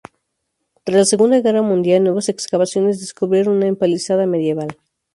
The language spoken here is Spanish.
Tras la Segunda Guerra Mundial, nuevas excavaciones descubrieron una empalizada medieval.